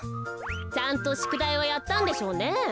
ちゃんとしゅくだいはやったんでしょうね。